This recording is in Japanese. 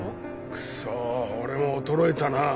クソ俺も衰えたな。